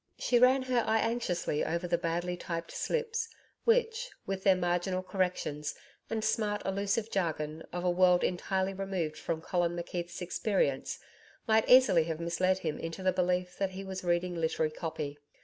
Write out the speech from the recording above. She ran her eye anxiously over the badly typed slips, which, with their marginal corrections and smart, allusive jargon of a world entirely removed from Colin McKeith's experience, might easily have misled him into the belief that he was reading literary 'copy.'